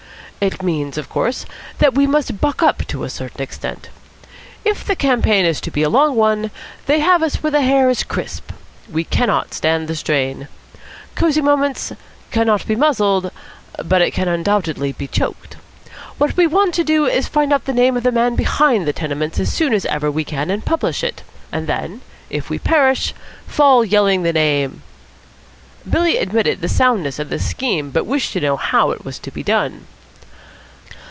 "It means, of course, that we must buck up to a certain extent. If the campaign is to be a long one, they have us where the hair is crisp. We cannot stand the strain. Cosy Moments cannot be muzzled, but it can undoubtedly be choked. What we want to do is to find out the name of the man behind the tenements as soon as ever we can and publish it; and, then, if we perish, fall yelling the name." Billy admitted the soundness of this scheme, but wished to know how it was to be done.